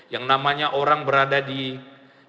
yang namanya orang berada di